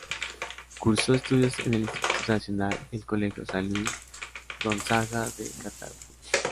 Cursó estudios en el Instituto Nacional y el Colegio San Luis Gonzaga de Cartago.